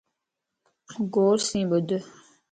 غور سين ٻڌ